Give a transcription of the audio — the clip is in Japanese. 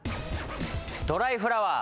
ドライフラワー。